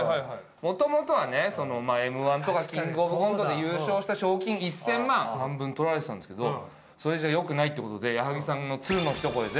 元々はね『Ｍ−１』とか『キングオブコント』で優勝した賞金１０００万半分取られてたんですけどそれじゃよくないってことで矢作さんの鶴のひと声で。